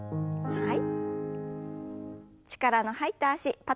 はい。